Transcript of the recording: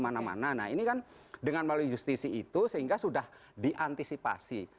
nah ini kan dengan melalui justisi itu sehingga sudah diantisipasi